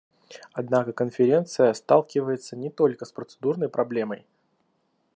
Однако Конференция сталкивается не только с процедурной проблемой.